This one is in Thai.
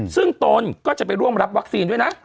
ซึ่งตนก็จะไปร่วมรับวัคซีนด้วยนะ